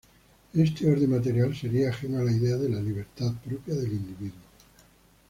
Este orden material sería ajeno a la idea de la libertad propia del individuo.